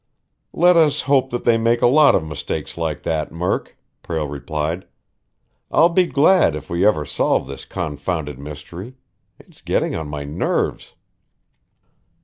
"Let us hope that they make a lot of mistakes like that, Murk," Prale replied. "I'll be glad if we ever solve this confounded mystery. It's getting on my nerves."